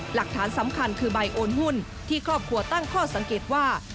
หลักฐานสำคัญคือใบโอนหุ้นที่ครอบครัวตั้งข้อสังเกตว่า